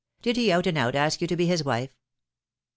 Did he out and out ask you to be his wife